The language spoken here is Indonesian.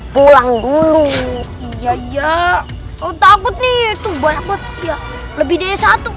pulang dulu iya takut nih itu banget ya lebih dari satu